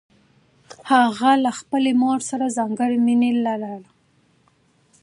هغه له خپلې مور سره ځانګړې مینه لرله